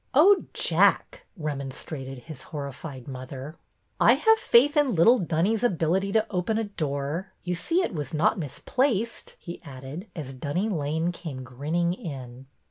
Oh, Jack !" remonstrated his horrified mother. " I have faith in little Dunny's ability to open a door. You see it was not misplaced," he added, as Dunny Lane came grinning in.